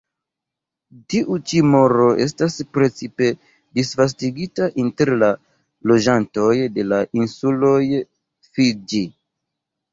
Tiu ĉi moro estas precipe disvastigita inter la loĝantoj de la insuloj Fidĝi.